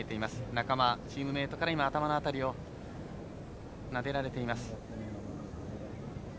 仲間、チームメートから頭のあたりをなでられています。